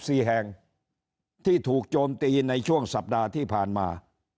สี่แห่งที่ถูกโจมตีในช่วงสัปดาห์ที่ผ่านมา